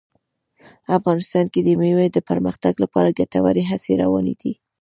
افغانستان کې د مېوو د پرمختګ لپاره ګټورې هڅې روانې دي.